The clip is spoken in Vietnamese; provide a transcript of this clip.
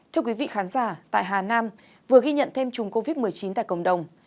thưa quý vị khán giả tại hà nam vừa ghi nhận thêm chùm covid một mươi chín tại cộng đồng